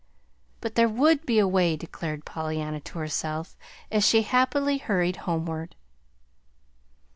But there would be a way, declared Pollyanna to herself as she happily hurried homeward.